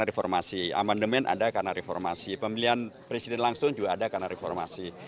reformasi amendement ada karena reformasi pemilihan presiden langsung juga ada karena reformasi